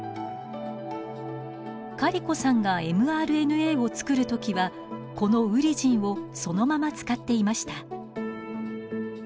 カリコさんがｍＲＮＡを作る時はこのウリジンをそのまま使っていました。